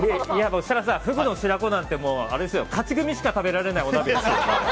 設楽さん、フグの白子なんて勝ち組しか食べられない